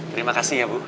terima kasih ya bu